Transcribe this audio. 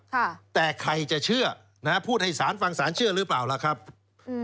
ค่ะแต่ใครจะเชื่อนะฮะพูดให้สารฟังสารเชื่อหรือเปล่าล่ะครับอืม